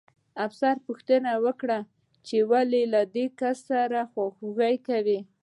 افسر پوښتنه وکړه چې ولې له دې کس سره خواخوږي کوئ